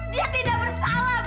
dia tidak bersalah bang